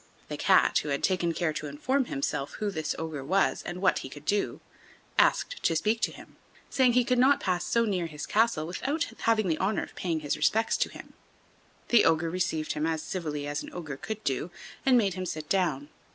The Cat, who had taken care to inform himself who this ogre was and what he could do, asked to speak with him, saying he could not pass so near his castle without having the honor of paying his respects to him. The ogre received him as civilly as an ogre could do, and made him sit down.